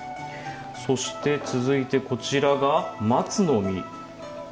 そして続いてこちらが松の実。